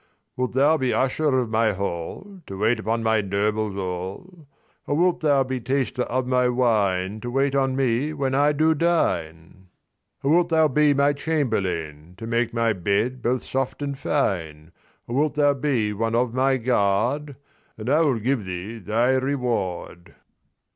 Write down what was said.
XII'Wilt thou be usher of my hall, To wait upon my nobles all? Or wilt thou be taster of my wine, To wait on me when I do dine? XIII'Or wilt thou be my chamberlain, To make my bed both soft and fine? Or wilt thou be one of my guard? And I will give thee thy reward.